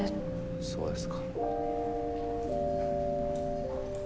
そうですか。